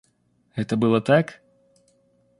Это было так?